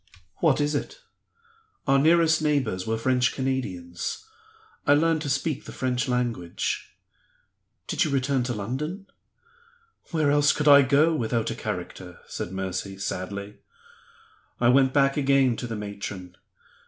"What is it?" "Our nearest neighbors were French Canadians. I learned to speak the French language." "Did you return to London?" "Where else could I go, without a character?" said Mercy, sadly. "I went back again to the matron.